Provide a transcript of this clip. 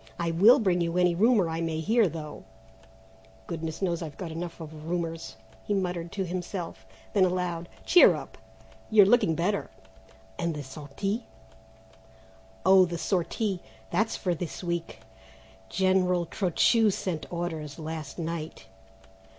I will bring you any rumour I may hear, though goodness knows I've got enough of rumours," he muttered to himself. Then aloud: "Cheer up; you're looking better." "And the sortie?" "Oh, the sortie, that's for this week. General Trochu sent orders last night."